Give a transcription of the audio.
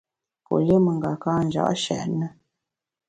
Pue lié mengaka nja’ nshèt ne.